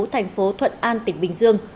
thành phố thuận an tỉnh bình dương